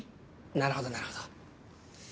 なるほどなるほど。